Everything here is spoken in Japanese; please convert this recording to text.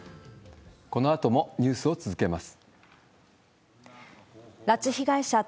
このあともニュースを続けます。